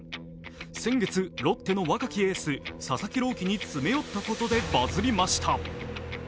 先月、ロッテの若きエース佐々木朗希に詰め寄ったことでバズりました。